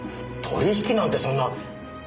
取引なんてそんな。